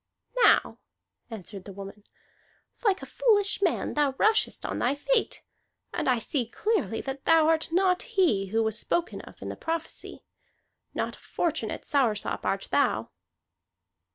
"Now," answered the woman, "like a foolish man, thou rushest on thy fate. And I see clearly that thou art not he who was spoken of in the prophecy. Not a fortunate Soursop art thou."